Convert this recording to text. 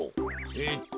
えっと。